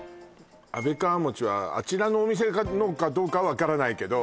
安倍川もちはあちらのお店のかどうか分からないけど